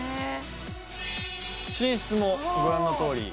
寝室もご覧のとおり